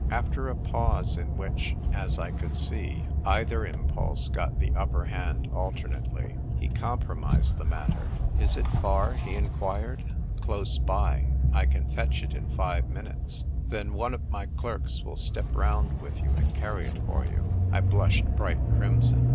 After a pause in which, as I could see, either impulse got the upper hand alternately, he compromised the matter. " Is it far ?" he enquired. "Close by. I can fetch it in five minutes." A SAIL ON THE HORIZON. I29 " Then one of my clerks will step round with you and carry it for you." I blushed bright crimson.